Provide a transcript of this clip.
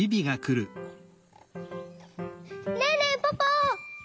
ねえねえポポ！